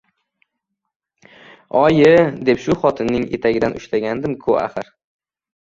Oyi» deb shu xotinning etagidan ushlagandim-ku axir!